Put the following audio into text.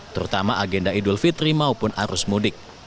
terutama agenda idul fitri maupun arus mudik